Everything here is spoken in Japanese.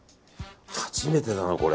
初めてだな、これ。